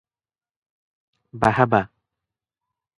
ବାହାବା!